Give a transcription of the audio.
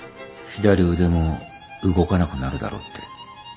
左腕も動かなくなるだろうって